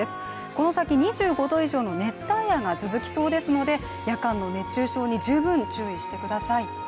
この先、２５度以上の熱帯夜が続きそうですので夜間の熱中症に十分注意してください。